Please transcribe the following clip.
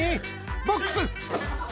「ボックス！」